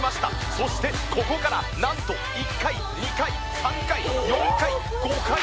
そしてここからなんと１回２回３回４回５回転！